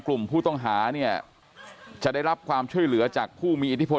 กลุ่มผู้ต้องหาเนี่ยจะได้รับความช่วยเหลือจากผู้มีอิทธิพล